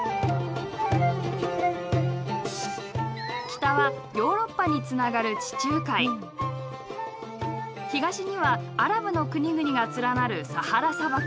北はヨーロッパにつながる地中海東にはアラブの国々が連なるサハラ砂漠。